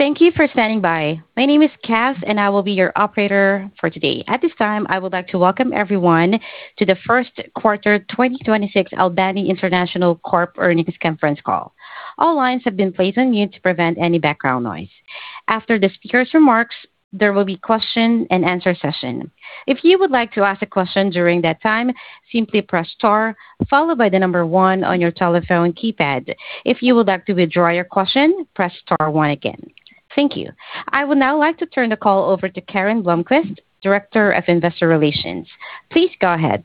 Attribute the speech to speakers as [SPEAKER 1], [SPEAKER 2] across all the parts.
[SPEAKER 1] Thank you for standing by. My name is Cath, and I will be your operator for today. At this time, I would like to welcome everyone to the Q1 2026 Albany International Corp earnings conference call. All lines have been placed on mute to prevent any background noise. After the speaker's remarks, there will be question-and-answer session. If you would like to ask a question during that time, simply press star followed by the number 1 on your telephone keypad. If you would like to withdraw your question, press star 1 again. Thank you. I would now like to turn the call over to Karen Blomquist, Director of Investor Relations. Please go ahead.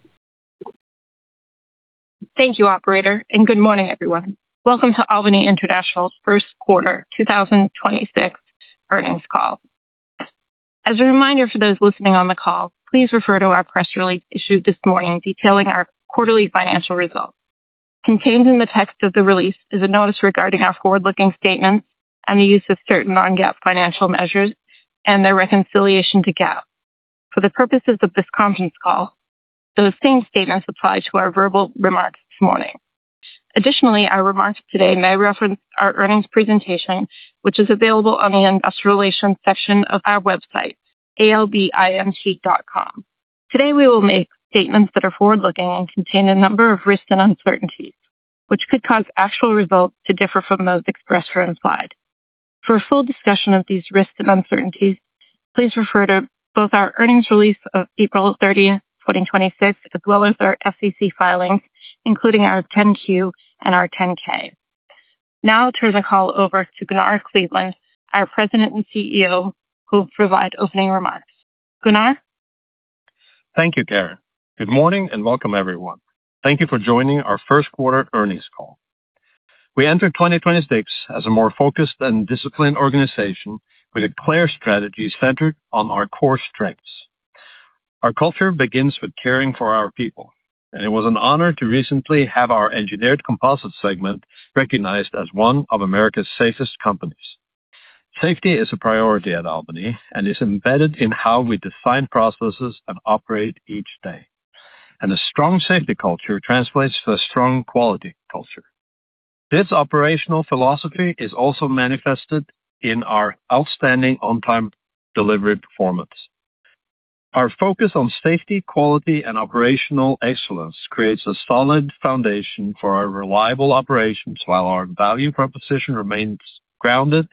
[SPEAKER 2] Thank you, operator, and good morning, everyone. Welcome to Albany International's Q1 2026 earnings call. As a reminder for those listening on the call, please refer to our press release issued this morning detailing our quarterly financial results. Contained in the text of the release is a notice regarding our forward-looking statements and the use of certain non-GAAP financial measures and their reconciliation to GAAP. For the purposes of this conference call, those same statements apply to our verbal remarks this morning. Our remarks today may reference our earnings presentation, which is available on the investor relations section of our website, albint.com. Today, we will make statements that are forward-looking and contain a number of risks and uncertainties, which could cause actual results to differ from those expressed or implied. For a full discussion of these risks and uncertainties, please refer to both our earnings release of April 30, 2026 as well as our SEC filings, including our 10-Q and our 10-K. Now I'll turn the call over to Gunnar Kleveland, our President and CEO, who will provide opening remarks. Gunnar?
[SPEAKER 3] Thank you, Karen. Good morning and welcome, everyone. Thank you for joining our Q1 earnings call. We entered 2026 as a more focused and disciplined organization with a clear strategy centered on our core strengths. Our culture begins with caring for our people, and it was an honor to recently have our Engineered Composites segment recognized as one of America's Safest Companies. Safety is a priority at Albany and is embedded in how we design processes and operate each day. A strong safety culture translates to a strong quality culture. This operational philosophy is also manifested in our outstanding on-time delivery performance. Our focus on safety, quality, and operational excellence creates a solid foundation for our reliable operations while our value proposition remains grounded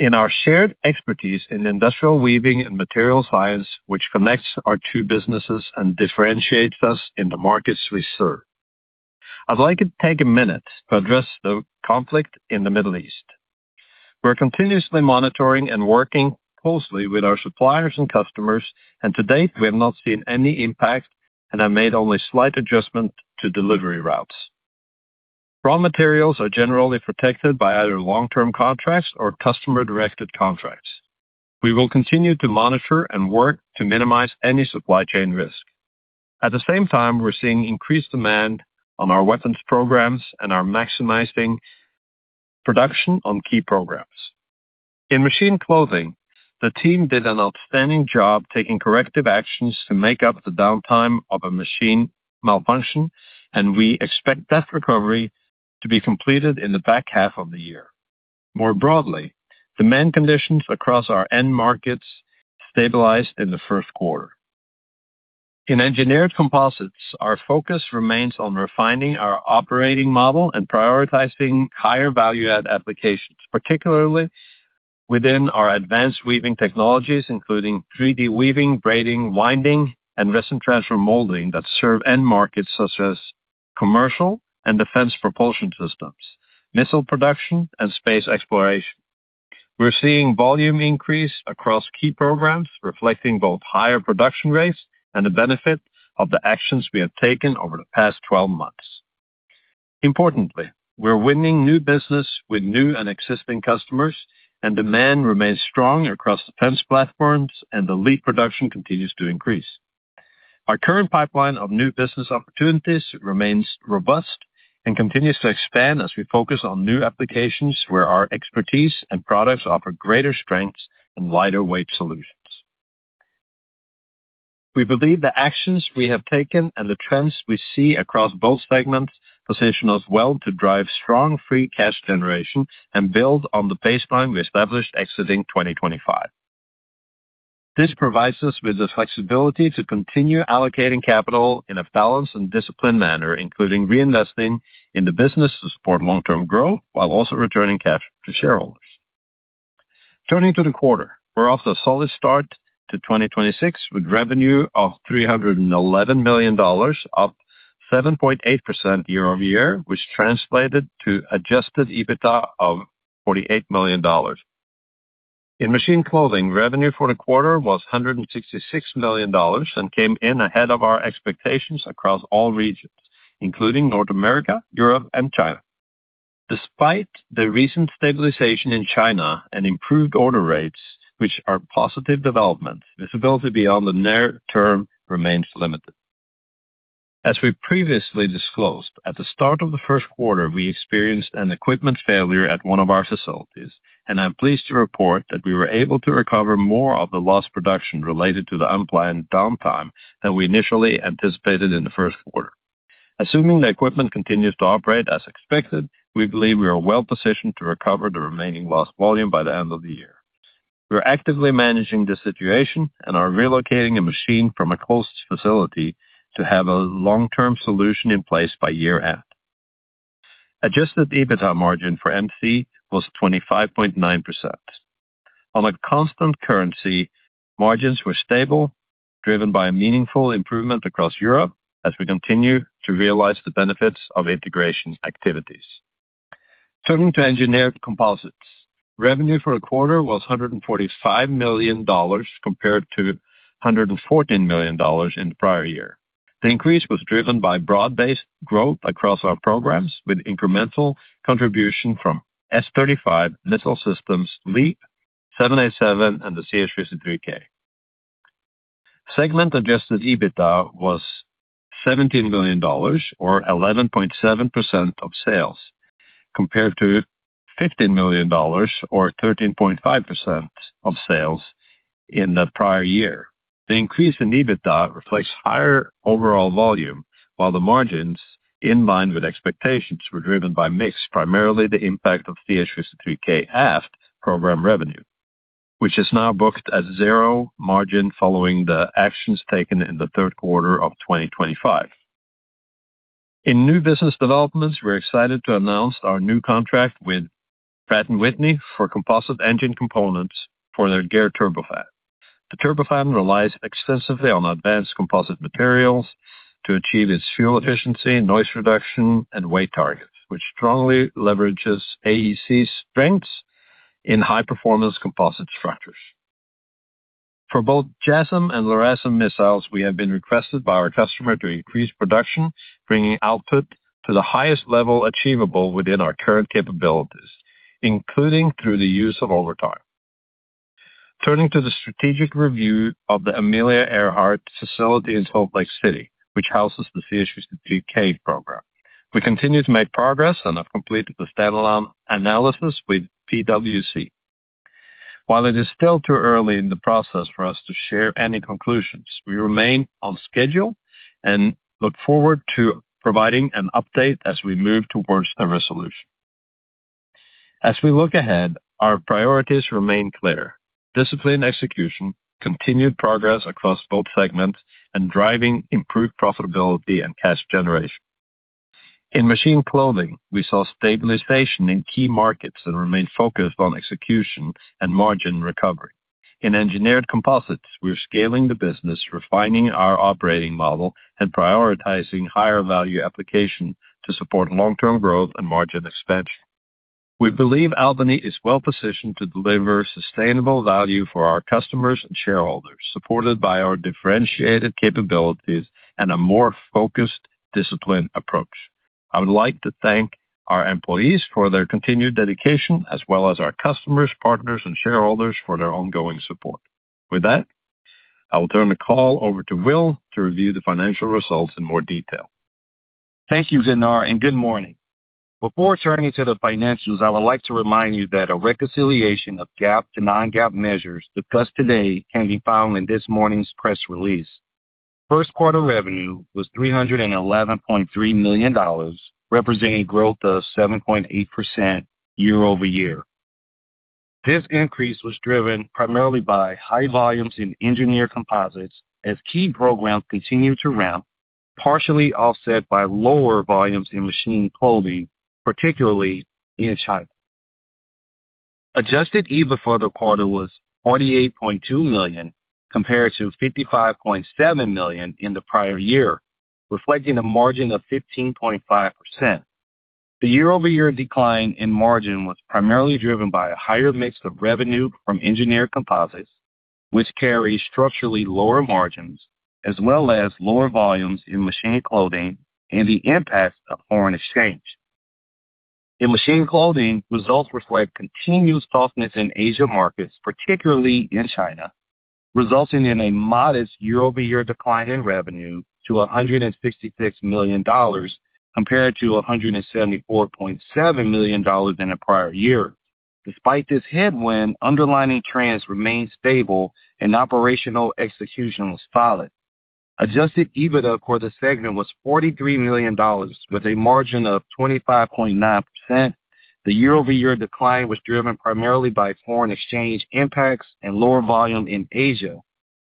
[SPEAKER 3] in our shared expertise in industrial weaving and material science, which connects our two businesses and differentiates us in the markets we serve. I'd like to take a minute to address the conflict in the Middle East. We're continuously monitoring and working closely with our suppliers and customers, and to date, we have not seen any impact and have made only slight adjustment to delivery routes. Raw materials are generally protected by either long-term contracts or customer-directed contracts. We will continue to monitor and work to minimize any supply chain risk. At the same time, we're seeing increased demand on our weapons programs and are maximizing production on key programs. In Machine Clothing, the team did an outstanding job taking corrective actions to make up the downtime of a machine malfunction, and we expect that recovery to be completed in the back half of the year. More broadly, demand conditions across our end markets stabilized in the Q1. In Engineered Composites, our focus remains on refining our operating model and prioritizing higher value add applications, particularly within our advanced weaving technologies, including 3D weaving, braiding, winding, and Resin Transfer Molding that serve end markets such as commercial and defense propulsion systems, missile production, and space exploration. We're seeing volume increase across key programs, reflecting both higher production rates and the benefit of the actions we have taken over the past 12 months. Importantly, we're winning new business with new and existing customers, and demand remains strong across defense platforms, and the LEAP production continues to increase. Our current pipeline of new business opportunities remains robust and continues to expand as we focus on new applications where our expertise and products offer greater strengths and lighter weight solutions. We believe the actions we have taken and the trends we see across both segments position us well to drive strong free cash generation and build on the baseline we established exiting 2025. This provides us with the flexibility to continue allocating capital in a balanced and disciplined manner, including reinvesting in the business to support long-term growth while also returning cash to shareholders. Turning to the quarter, we're off to a solid start to 2026, with revenue of $311 million, up 7.8% year-over-year, which translated to Adjusted EBITDA of $48 million. In Machine Clothing, revenue for the quarter was $166 million and came in ahead of our expectations across all regions, including North America, Europe and China. Despite the recent stabilization in China and improved order rates, which are positive developments, visibility beyond the near term remains limited. As we previously disclosed, at the start of the Q1, we experienced an equipment failure at one of our facilities, and I'm pleased to report that we were able to recover more of the lost production related to the unplanned downtime than we initially anticipated in the Q1. Assuming the equipment continues to operate as expected, we believe we are well-positioned to recover the remaining lost volume by the end of the year. We're actively managing the situation and are relocating a machine from a close facility to have a long-term solution in place by year-end. Adjusted EBITDA margin for MC was 25.9%. On a Constant Currency, margins were stable, driven by a meaningful improvement across Europe as we continue to realize the benefits of integration activities. Turning to Engineered Composites. Revenue for a quarter was $145 million compared to $114 million in the prior year. The increase was driven by broad-based growth across our programs, with incremental contribution from S35 missile systems, LEAP, 787 and the CH-53K. Segment-Adjusted EBITDA was $17 million or 11.7% of sales, compared to $15 million or 13.5% of sales in the prior year. The increase in EBITDA reflects higher overall volume, while the margins, in line with expectations, were driven by mix, primarily the impact of CH-53K aft program revenue, which is now booked at zero margin following the actions taken in the Q3 of 2025. In new business developments, we're excited to announce our new contract with Pratt & Whitney for composite engine components for their Geared Turbofan. The Turbofan relies extensively on advanced composite materials to achieve its fuel efficiency, noise reduction, and weight targets, which strongly leverages AEC's strengths in high-performance composite structures. For both JASSM and LRASM missiles, we have been requested by our customer to increase production, bringing output to the highest level achievable within our current capabilities, including through the use of overtime. Turning to the strategic review of the Amelia Earhart Drive Facility in Salt Lake City, which houses the CH-53K program. We continue to make progress and have completed the standalone analysis with PwC. While it is still too early in the process for us to share any conclusions, we remain on schedule and look forward to providing an update as we move towards a resolution. As we look ahead, our priorities remain clear: disciplined execution, continued progress across both segments, and driving improved profitability and cash generation. In Machine Clothing, we saw stabilization in key markets and remained focused on execution and margin recovery. In Engineered Composites, we're scaling the business, refining our operating model and prioritizing higher value application to support long-term growth and margin expansion. We believe Albany is well-positioned to deliver sustainable value for our customers and shareholders, supported by our differentiated capabilities and a more focused, disciplined approach. I would like to thank our employees for their continued dedication as well as our customers, partners, and shareholders for their ongoing support. With that, I will turn the call over to Will to review the financial results in more detail.
[SPEAKER 4] Thank you, Gunnar, and good morning. Before turning to the financials, I would like to remind you that a reconciliation of GAAP to non-GAAP measures discussed today can be found in this morning's press release. Q1 revenue was $311.3 million, representing growth of 7.8% year-over-year. This increase was driven primarily by high volumes in Engineered Composites as key programs continued to ramp, partially offset by lower volumes in Machine Clothing, particularly in China. Adjusted EBITDA for the quarter was $48.2 million, compared to $55.7 million in the prior year, reflecting a margin of 15.5%. The year-over-year decline in margin was primarily driven by a higher mix of revenue from Engineered Composites, which carry structurally lower margins, as well as lower volumes in Machine Clothing and the impacts of foreign exchange. In Machine Clothing, results reflect continued softness in Asia markets, particularly in China, resulting in a modest year-over-year decline in revenue to $166 million, compared to $174.7 million in the prior year. Despite this headwind, underlying trends remained stable and operational execution was solid. Adjusted EBITDA for the segment was $43 million with a margin of 25.9%. The year-over-year decline was driven primarily by foreign exchange impacts and lower volume in Asia.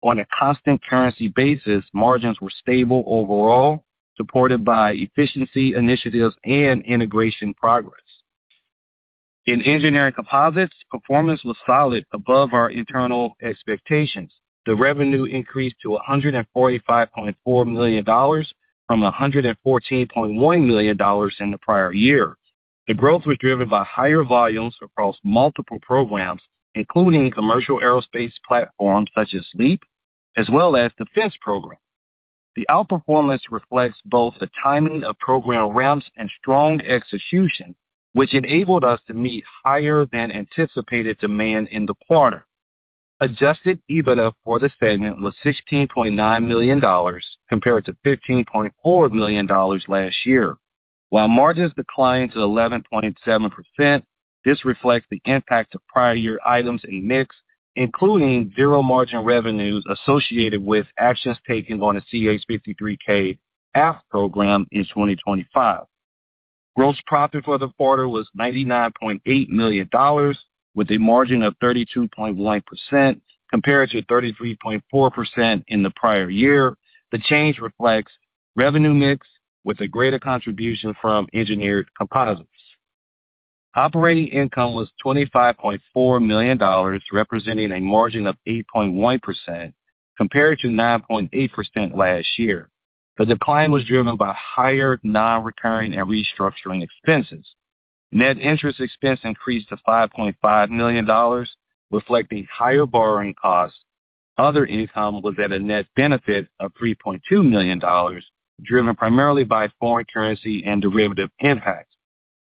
[SPEAKER 4] On a Constant Currency basis, margins were stable overall, supported by efficiency initiatives and integration progress. In Engineered Composites, performance was solid above our internal expectations. The revenue increased to $145.4 million from $114.1 million in the prior year. The growth was driven by higher volumes across multiple programs, including commercial aerospace platforms such as LEAP, as well as defense programs. The outperformance reflects both the timing of program ramps and strong execution, which enabled us to meet higher than anticipated demand in the quarter. Adjusted EBITDA for the segment was $16.9 million compared to $15.4 million last year. While margins declined to 11.7%, this reflects the impact of prior year items and mix, including zero margin revenues associated with actions taken on a CH-53K aft program in 2025. Gross profit for the quarter was $99.8 million with a margin of 32.1% compared to 33.4% in the prior year. The change reflects revenue mix with a greater contribution from Engineered Composites. Operating income was $25.4 million, representing a margin of 8.1% compared to 9.8% last year. The decline was driven by higher non-recurring and restructuring expenses. Net interest expense increased to $5.5 million, reflecting higher borrowing costs. Other income was at a net benefit of $3.2 million, driven primarily by foreign currency and derivative impacts.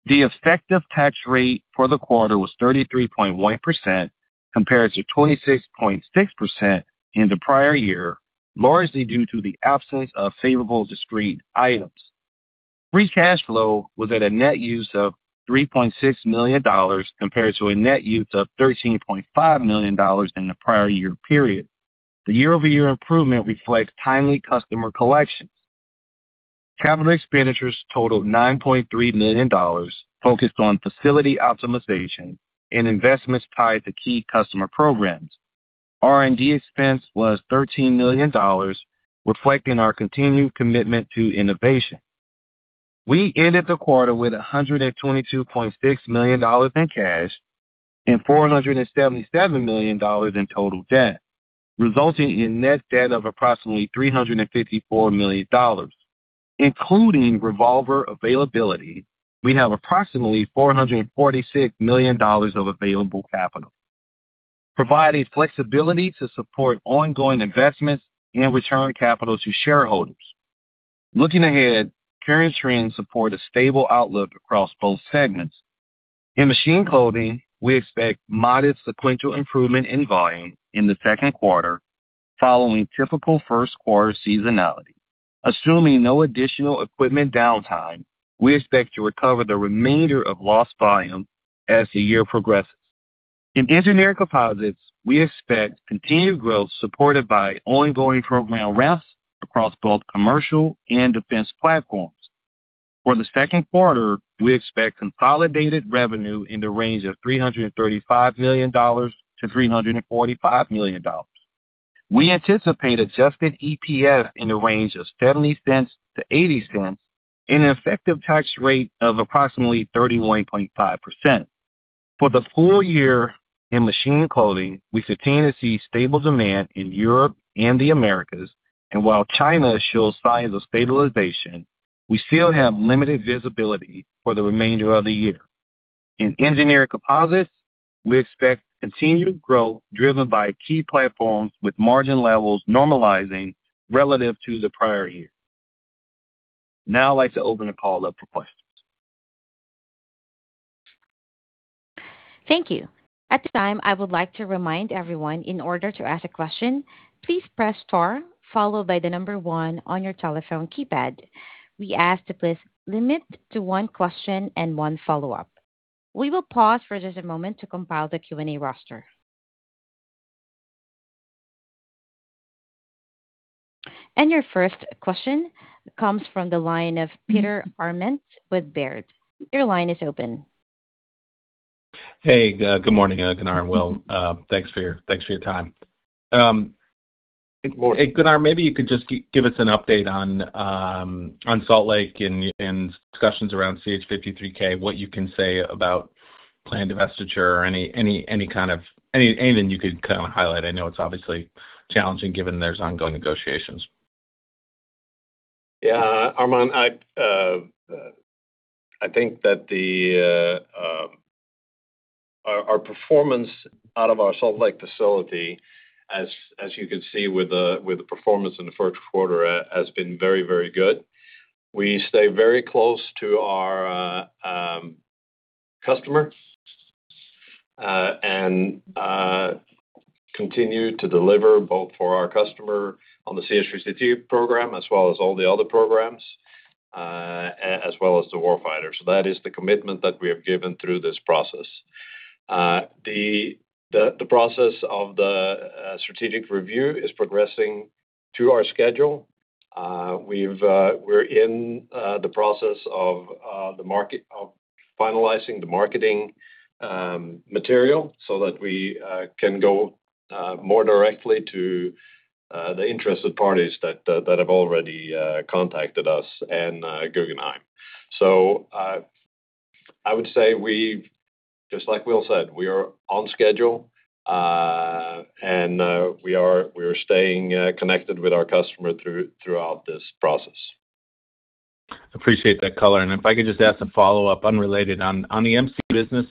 [SPEAKER 4] The effective tax rate for the quarter was 33.1% compared to 26.6% in the prior year, largely due to the absence of favorable discrete items. Free cash flow was at a net use of $3.6 million compared to a net use of $13.5 million in the prior year period. The year-over-year improvement reflects timely customer collections. Capital expenditures totaled $9.3 million, focused on facility optimization and investments tied to key customer programs. R&D expense was $13 million, reflecting our continued commitment to innovation. We ended the quarter with $122.6 million in cash and $477 million in total debt, resulting in net debt of approximately $354 million. Including revolver availability, we have approximately $446 million of available capital, providing flexibility to support ongoing investments and return capital to shareholders. Looking ahead, current trends support a stable outlook across both segments. In Machine Clothing, we expect modest sequential improvement in volume in the Q2 following typical Q1 seasonality. Assuming no additional equipment downtime, we expect to recover the remainder of lost volume as the year progresses. In Engineered Composites, we expect continued growth supported by ongoing program ramps across both commercial and defense platforms. For the Q2, we expect consolidated revenue in the range of $335 million-$345 million. We anticipate Adjusted EPS in the range of $0.70-$0.80 and an effective tax rate of approximately 31.5%. For the full year in Machine Clothing, we continue to see stable demand in Europe and the Americas. While China shows signs of stabilization, we still have limited visibility for the remainder of the year. In Engineered Composites, we expect continued growth driven by key platforms with margin levels normalizing relative to the prior year. Now, I'd like to open the call up for questions.
[SPEAKER 1] Thank you. At this time, I would like to remind everyone in order to ask a question, please press star followed by the number 1 on your telephone keypad. We ask to please limit to 1 question and 1 follow-up. We will pause for just a moment to compile the Q&A roster. Your first question comes from the line of Peter Arment with Baird. Your line is open.
[SPEAKER 5] Hey, good morning, Gunnar and Will. Thanks for your time.
[SPEAKER 4] Good morning.
[SPEAKER 5] Hey, Gunnar, maybe you could just give us an update on Salt Lake and discussions around CH-53K, what you can say about planned divestiture or anything you could kinda highlight. I know it's obviously challenging given there's ongoing negotiations.
[SPEAKER 3] Yeah, Peter Arment, I think that the performance out of our Salt Lake facility, as you can see with the performance in the Q1, has been very good. We stay very close to our customer and continue to deliver both for our customer on the CH-53K program as well as all the other programs as well as the war fighter. That is the commitment that we have given through this process. The process of the strategic review is progressing to our schedule. We've we're in the process of finalizing the marketing material so that we can go more directly to the interested parties that have already contacted us and Guggenheim. I would say just like Will said, we are on schedule, and we are staying connected with our customer throughout this process.
[SPEAKER 5] Appreciate that color. If I could just ask a follow-up unrelated on the MC business.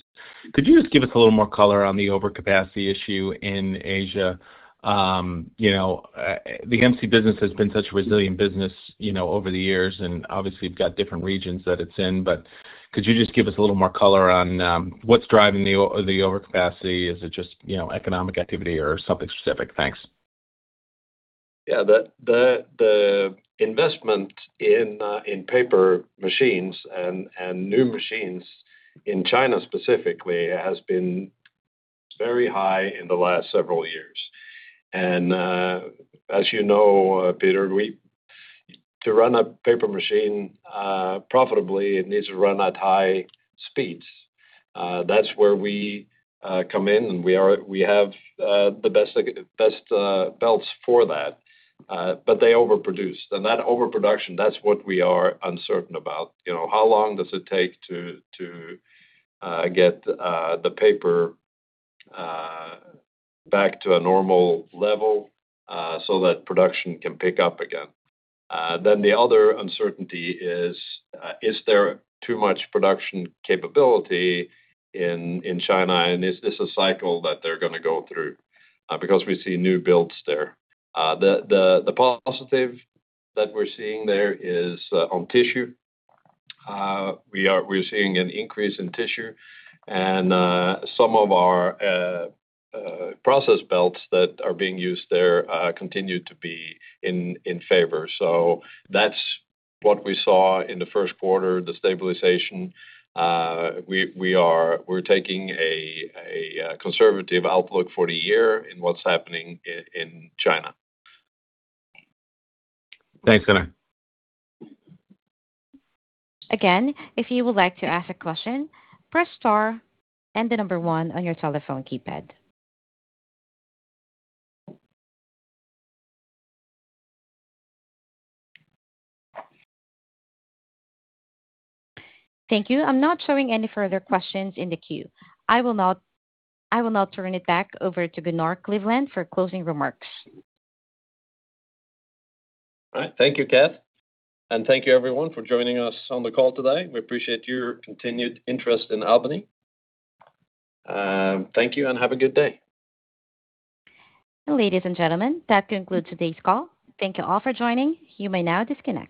[SPEAKER 5] Could you just give us a little more color on the overcapacity issue in Asia? You know, the MC business has been such a resilient business, you know, over the years, and obviously you've got different regions that it's in. Could you just give us a little more color on what's driving the overcapacity? Is it just, you know, economic activity or something specific? Thanks.
[SPEAKER 3] Yeah. The investment in paper machines and new machines in China specifically has been very high in the last several years. As you know, Peter, to run a paper machine profitably, it needs to run at high speeds. That's where we come in, and we have the best belts for that. They overproduce. That overproduction, that's what we are uncertain about. You know, how long does it take to get the paper back to a normal level so that production can pick up again? The other uncertainty is there too much production capability in China, and is this a cycle that they're gonna go through? Because we see new builds there. The positive that we're seeing there is on tissue. We're seeing an increase in tissue and some of our process belts that are being used there continue to be in favor. That's what we saw in the 1st quarter, the stabilization. We're taking a conservative outlook for the year in what's happening in China.
[SPEAKER 5] Thanks, Gunnar.
[SPEAKER 1] Again, if you would like to ask a question, press star and 1 on your telephone keypad. Thank you. I'm not showing any further questions in the queue. I will now turn it back over to Gunnar Kleveland for closing remarks.
[SPEAKER 3] All right. Thank you, Cath, and thank you everyone for joining us on the call today. We appreciate your continued interest in Albany. Thank you and have a good day.
[SPEAKER 1] Ladies and gentlemen, that concludes today's call. Thank you all for joining. You may now disconnect.